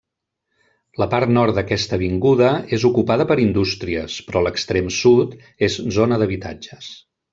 La part nord d'aquesta avinguda és ocupada per indústries, però l'extrem sud és zona d'habitatges.